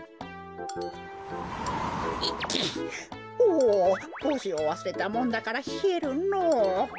おぉぼうしをわすれたもんだからひえるのぉ。